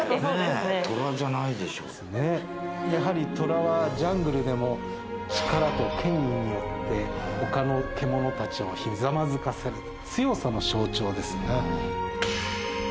やはり虎はジャングルでも力と権威によって他の獣たちをひざまずかせる強さの象徴ですね。